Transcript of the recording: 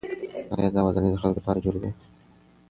آیا دا ودانۍ د خلکو لپاره جوړې وې؟